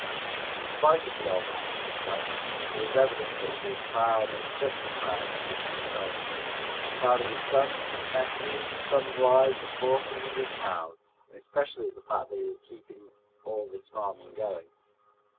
In spite of the old man's complaints, it was evident that he was proud, and justly proud, of his prosperity, proud of his sons, his nephew, his sons' wives, his horses and his cows, and especially of the fact that he was keeping all this farming going.